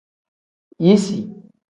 Yisi.